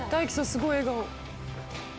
すごい笑顔。